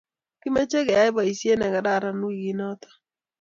kimeche keyei boisiet ne kararan wikit noto